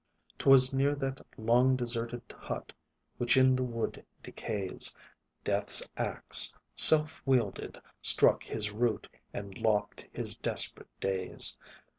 'Twas near that long deserted hut, Which in the wood decays, Death's axe, self wielded, struck his root, And lopped his desperate days.